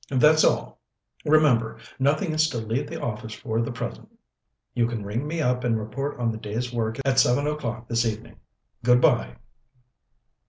That's all. Remember, nothing is to leave the office for the present. You can ring me up and report on the day's work at seven o'clock this evening. Good bye."